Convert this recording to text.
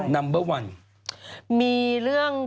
นัมเบอร์วัน